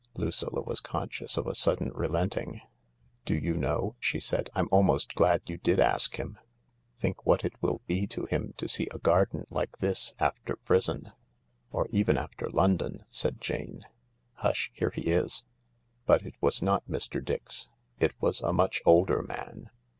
Lucilla was conscious of a sudden relenting. " Do you know," she said, " I'm almost glad you did ask him. Think what it will be to him to see a garden like this after prison." " Or even after London," said Jane. " Hush, here he is! " But it was not Mr. Dix. It was a much older man.